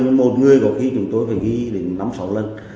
nhưng một người chúng tôi phải ghi đến năm sáu lần